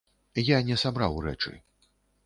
Я не сабраў рэчы.